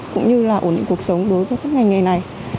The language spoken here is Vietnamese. cũng như là ổn định cuộc sống đối với các ngành nghề này